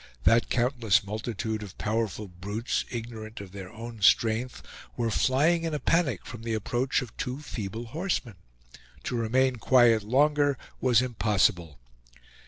That countless multitude of powerful brutes, ignorant of their own strength, were flying in a panic from the approach of two feeble horsemen. To remain quiet longer was impossible.